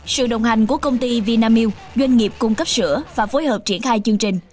sự đồng hành của công ty vinamilk doanh nghiệp cung cấp sữa và phối hợp triển khai chương trình